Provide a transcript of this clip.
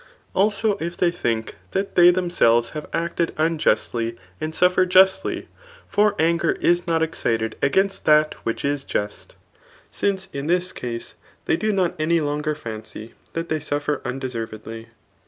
Also if they think that they themselves have acted unjustly and suffer justly; for anger is not excited against that which is just ; since in tlMs case they do not any longer £uicy that they sufier imdeservedly.